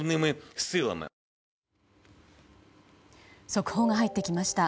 速報が入ってきました。